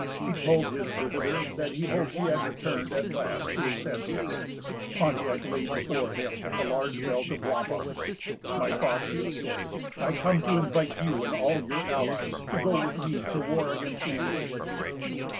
He told his visitor that he hoped he had returned at last to his senses. Pontiac laid before him a large belt of wampum. "My Father," he said, "I come to invite you and all your allies to go with me to war against the English."